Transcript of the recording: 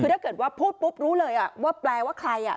คือถ้าเกิดว่าพูดปุ๊บรู้เลยอ่ะว่าแปลว่าใครอ่ะ